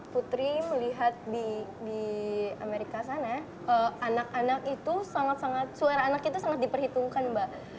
putri melihat di amerika sana suara anak itu sangat diperhitungkan mbak